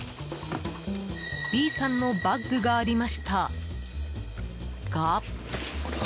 Ｂさんのバッグがありましたが。